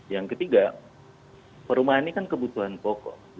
yang ketiga perumahan ini kan kebutuhan pokok